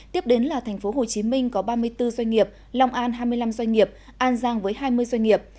tiếp đến là tp hcm có ba mươi bốn doanh nghiệp long an hai mươi năm doanh nghiệp an giang với hai mươi doanh nghiệp